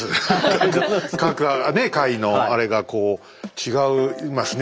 各階のあれがこう違いますね